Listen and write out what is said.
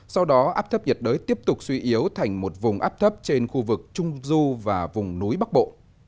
sau đó áp thấp nhiệt đới tiếp tục suy yếu thành một vùng áp thấp trên khu vực trung du và vùng núi bắc bộ